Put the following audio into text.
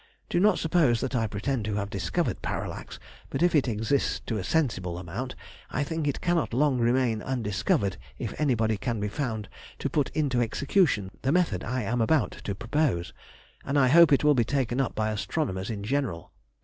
Do not suppose that I pretend to have discovered parallax, but if it exists to a sensible amount, I think it cannot long remain undiscovered if anybody can be found to put into execution the method I am about to propose, and I hope it will be taken up by astronomers in general.